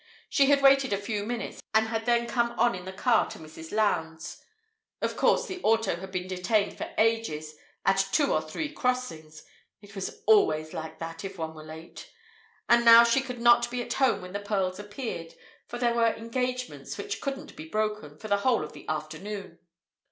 She had waited a few minutes, and had then come on in the car to Mrs. Lowndes'. Of course, the auto had been detained for ages, at two or three crossings! It was always like that if one were late! And now she could not be at home when the pearls appeared, for there were engagements, which couldn't be broken, for the whole of the afternoon.